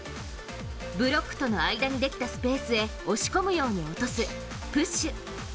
ブロックとの間にできたスペースへ押し込むように落とすプッシュ。